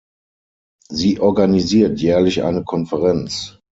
Sie organisiert jährlich eine Konferenz.